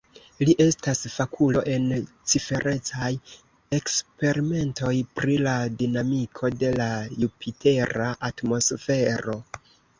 Li estas fakulo en ciferecaj eksperimentoj pri la dinamiko de la jupitera atmosfero.